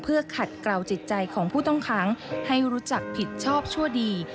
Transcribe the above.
เพื่อขัดกล่าวจิตใจของผู้ต้องขังให้รู้จักผิดชอบชั่วดี